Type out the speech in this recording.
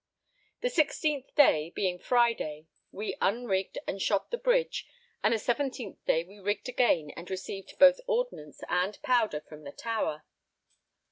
The 16th day, being Friday, we unrigged and shot the bridge, and the 17th day we rigged again and received both ordnance and powder from the Tower.